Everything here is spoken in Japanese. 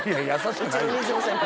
うちの水野先輩